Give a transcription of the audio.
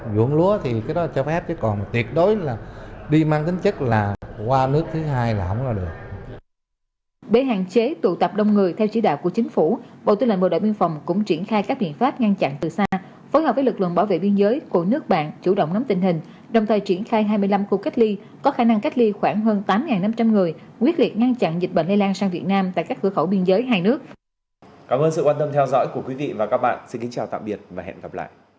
bộ tư lệnh bộ đội biên phòng đã triển khai hội nghị tăng cường sars cov hai trên tuyến biến phức tạp